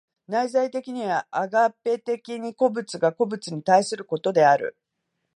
内在的にはアガペ的に個物が個物に対することである。